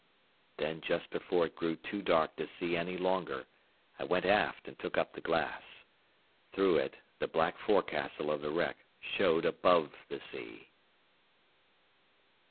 Then just before it grew too dark to see any longer I went aft and took up the glass. Through it the black forecastle of the wreck showed above the sea.